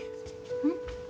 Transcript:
うん？